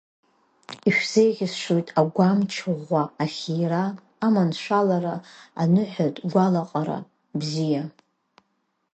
Ишәзеиӷьасшьоит агәамч ӷәӷәа, ахирра, аманшәалара, аныҳәатә гәалаҟара бзиа!